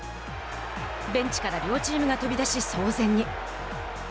ベンチから両チームが飛び出し騒然に。